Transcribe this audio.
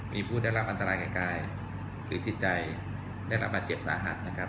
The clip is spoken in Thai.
มีผู้ได้รับอันตรายแก่กายหรือจิตใจได้รับบาดเจ็บสาหัสนะครับ